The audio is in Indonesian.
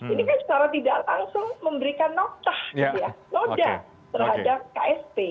ini kan secara tidak langsung memberikan nojah terhadap ksp